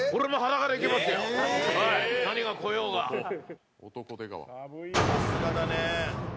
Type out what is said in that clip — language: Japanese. さすがだね。